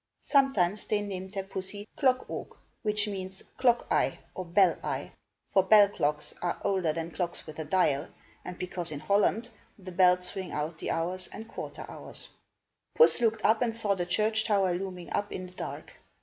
Sometimes they named their pussy Klok' oog, which means Clock Eye, or Bell Eye, for bell clocks are older than clocks with a dial, and because in Holland the bells ring out the hours and quarter hours. Puss looked up and saw the church tower looming up in the dark.